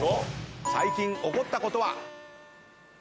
最近怒ったことは？